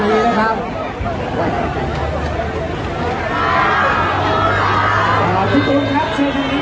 ขอบคุณมากนะคะแล้วก็แถวนี้ยังมีชาติของ